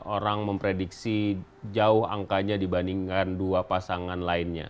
orang memprediksi jauh angkanya dibandingkan dua pasangan lainnya